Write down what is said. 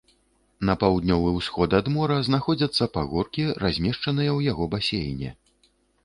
На паўднёвы ўсход ад мора знаходзяцца пагоркі, размешчаныя ў яго басейне.